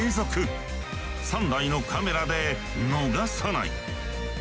３台のカメラで逃がさない！